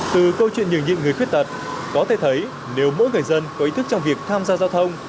từ câu chuyện nhồn nhịn người khuyết tật có thể thấy nếu mỗi người dân có ý thức trong việc tham gia giao thông